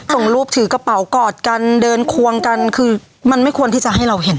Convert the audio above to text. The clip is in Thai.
ส่งรูปถือกระเป๋ากอดกันเดินควงกันคือมันไม่ควรที่จะให้เราเห็น